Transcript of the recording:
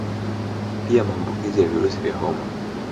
Pia Maambukizi ya virusi vya homa